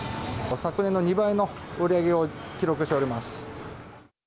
昨年の２倍の売り上げを記録しております。